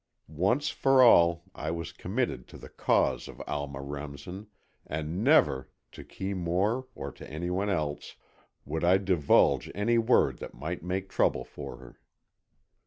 Once for all, I was committed to the cause of Alma Remsen, and never, to Kee Moore or to anybody else, would I divulge any word that might make trouble for her.